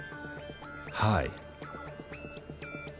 はい。